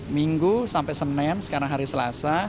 minggu sampai senin sekarang hari selasa